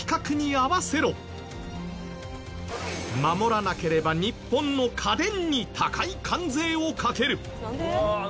守らなければ日本の家電に高い関税をかける！